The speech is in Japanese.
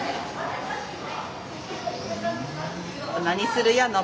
何するや？